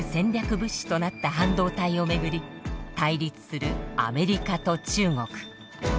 物資となった半導体を巡り対立するアメリカと中国。